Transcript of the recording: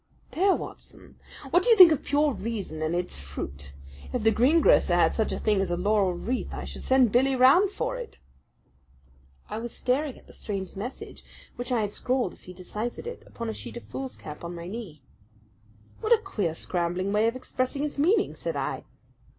There, Watson! What do you think of pure reason and its fruit? If the green grocer had such a thing as a laurel wreath, I should send Billy round for it." I was staring at the strange message which I had scrawled, as he deciphered it, upon a sheet of foolscap on my knee. "What a queer, scrambling way of expressing his meaning!" said I.